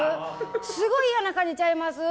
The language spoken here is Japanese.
すごい嫌な感じちゃいます？